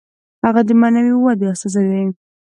هغه د معنوي ودې استازی دی.